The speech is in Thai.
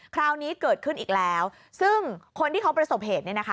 คราวนี้เกิดขึ้นอีกแล้วซึ่งคนที่เขาประสบเหตุเนี่ยนะคะ